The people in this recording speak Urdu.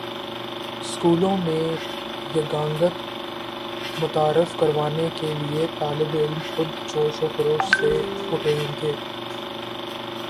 سکولوں میں یگانگت متعارف کروانے کے لیے طالب علم خود جوش و خروش سے اٹھیں گے